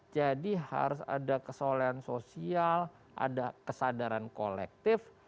jadi harus ada kesolehan sosial ada kesadaran kolektif